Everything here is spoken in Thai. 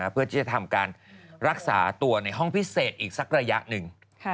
เพื่อที่จะทำการรักษาตัวในห้องพิเศษอีกสักระยะหนึ่ง